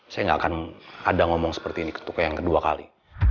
saya nggak akan ada ngomong seperti ini ketuka yang kedua kali